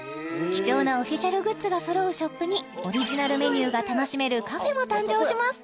貴重なオフィシャルグッズがそろうショップにオリジナルメニューが楽しめるカフェも誕生します